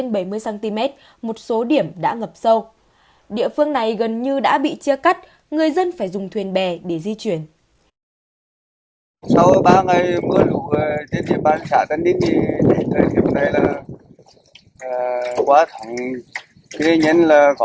người dân phải dùng thuyền bè để di chuyển